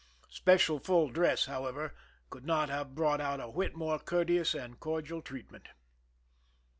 Special full dress, however, could not have brought out a whit more courteous and cordial treatment.